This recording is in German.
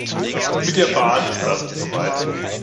Mit der Bahn ist das zu weit.